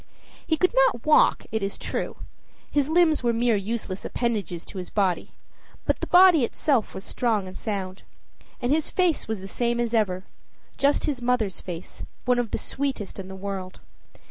He could not walk, it is true; his limbs were mere useless appendages to his body; but the body itself was strong and sound. And his face was the same as ever just his mother's face, one of the sweetest in the world.